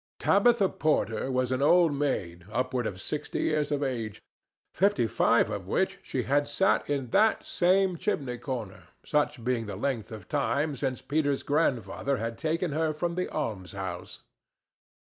Tabitha Porter was an old maid upward of sixty years of age, fifty five of which she had sat in that same chimney corner, such being the length of time since Peter's grandfather had taken her from the almshouse.